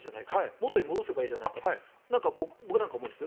元に戻せばいいじゃないかと僕なんかは思うんです。